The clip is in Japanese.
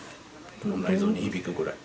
内臓に響くぐらい。